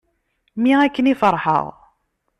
Mi akken i ferḥeɣ.